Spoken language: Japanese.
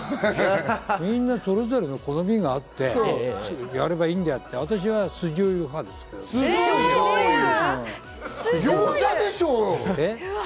みんなそれぞれの好みがあってやればいいんであって、私は酢じょうゆ派です。